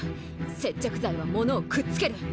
接着剤はものをくっつける。